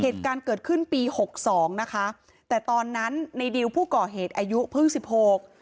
เหตุการณ์เกิดขึ้นปีหกสองนะคะแต่ตอนนั้นในดิวผู้ก่อเหตุอายุเพิ่งสิบหก